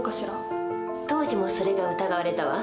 当時もそれが疑われたわ。